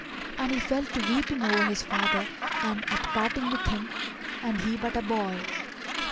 And he fell to weeping over his father and at parting with him, and he but a boy.